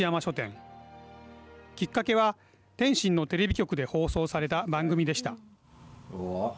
きっかけは、天津のテレビ局で放送された番組でした。